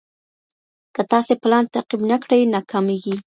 که تاسي پلان تعقيب نه کړئ، ناکامېږئ.